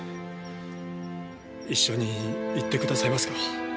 一緒に行ってくださいますか？